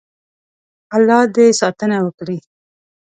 الله دې ساتنه وکړي.